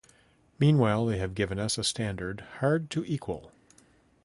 Meanwhile they have given us a standard hard to equal.